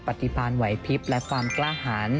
ปฏิบันไหวภิพร์และความกล้าหาญ